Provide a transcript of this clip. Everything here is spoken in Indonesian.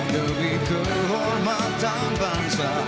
demi kehormatan bangsa